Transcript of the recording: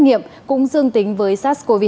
nghiệm cũng dương tính với sars cov hai